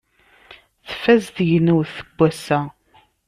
Tfaz tegnewt n wass-a.